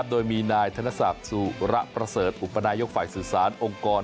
โดยมีนายธนศัพท์สุระประเสริร์ดไอสุริสาสตร์